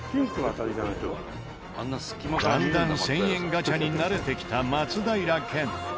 だんだん１０００円ガチャに慣れてきた松平健。